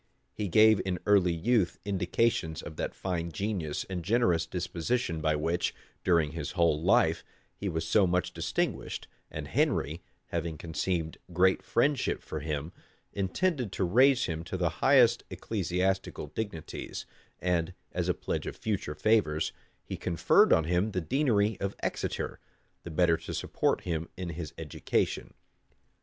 He gave in early youth indications of that fine genius and generous disposition by which, during his whole life, he was so much distinguished and Henry, having conceived great friendship for him, intended to raise him to the highest ecclesiastical dignities; and, as a pledge of future favors, he conferred on him the deanery of Exeter,[*] the better to support him in his education.